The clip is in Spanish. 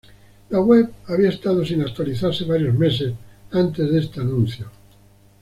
La web había estado sin actualizarse varios meses antes de este anuncio.